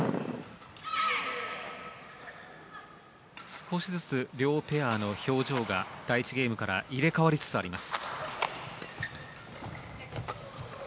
少しずつ両ペアの表情が第１ゲームから入れ替わりつつあります。